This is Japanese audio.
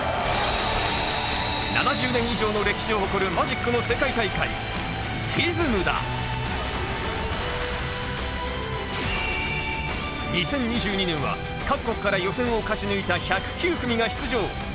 ７０年以上の歴史を誇る２０２２年は各国から予選を勝ち抜いた１０９組が出場。